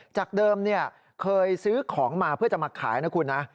จากเดิมเคยซื้อของมาเพื่อจะมาขายนะคุณนะ